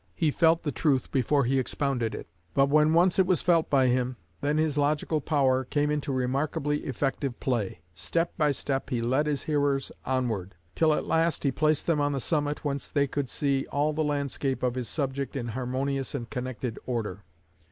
He felt the truth before he expounded it; but when once it was felt by him, then his logical power came into remarkably effective play. Step by step he led his hearers onward, till at last he placed them on the summit whence they could see all the landscape of his subject in harmonious and connected order.